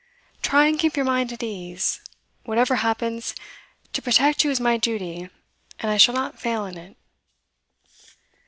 Try and keep your mind at ease; whatever happens, to protect you is my duty, and I shall not fail in it.